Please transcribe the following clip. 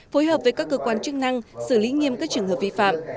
phối hợp với các cơ quan chức năng xử lý nghiêm các trường hợp vi phạm